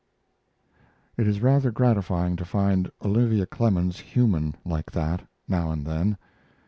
It is rather gratifying to find Olivia Clemens human, like that, now and then.